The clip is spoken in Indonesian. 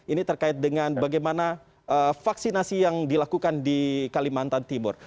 ini terkait dengan bagaimana vaksinasi yang dilakukan di kalimantan timur